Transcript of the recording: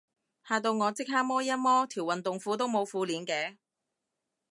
嚇到我即刻摸一摸，條運動褲都冇褲鏈嘅